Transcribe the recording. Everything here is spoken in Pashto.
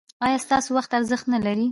ایا ستاسو وخت ارزښت نلري؟